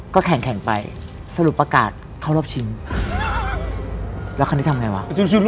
ก็แข่งไปสรุปประกาศเข้ารอบชิงแล้วคราวนี้ทำไงวะ